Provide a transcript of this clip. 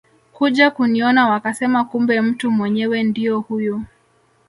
kuja kuniona wakasema kumbe mtu mwenyewe ndio huyu